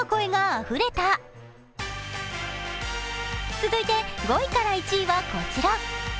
続いて５位から１位はこちら。